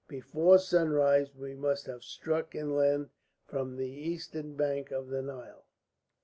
Before sunrise we must have struck inland from the eastern bank of the Nile."